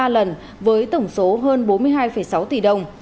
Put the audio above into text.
năm mươi ba lần với tổng số hơn bốn mươi hai sáu tỷ đồng